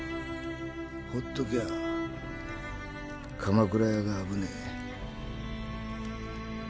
ほっときゃ鎌倉屋が危ねえ。